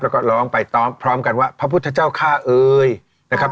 แล้วก็ร้องไปพร้อมกันว่าพระพุทธเจ้าค่าเอ่ยนะครับ